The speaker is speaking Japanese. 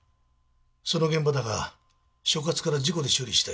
その現場だが所轄から事故で処理したいと報告を受けた。